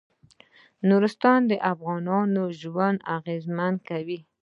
نورستان د افغانانو ژوند اغېزمن کوي.